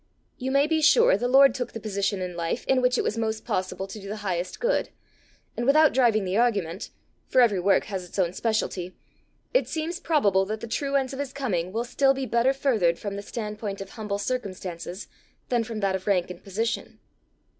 "You may be sure the Lord took the position in life in which it was most possible to do the highest good; and without driving the argument for every work has its own specialty it seems probable that the true ends of his coming will still be better furthered from the standpoint of humble circumstances, than from that of rank and position."